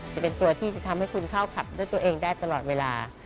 จะเป็นตัวที่จะทำให้คุณเข้าขับด้วยตัวเองได้ตลอดเวลา